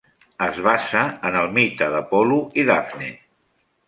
Es basa en el mite d'Apol·lo i Dafne.